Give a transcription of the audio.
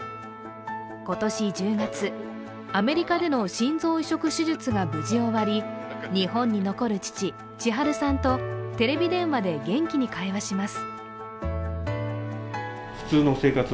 今年１０月、アメリカでの心臓移植手術が無事終わり日本に残る父・智春さんとテレビ電話で元気に会話します。